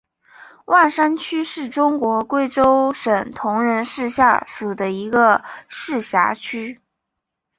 万山区是中国贵州省铜仁市下属的一个市辖区。